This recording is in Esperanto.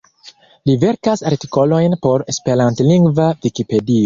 Li verkas artikolojn por esperantlingva Vikipedio.